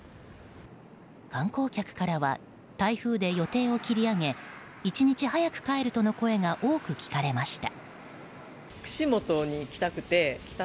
観光客からは台風で予定を切り上げ１日早く帰るとの声が多く聞かれました。